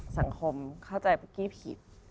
สังคมเข้าใจเมื่อกี้ผิด